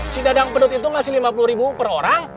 si dadang pedut itu masih lima puluh ribu per orang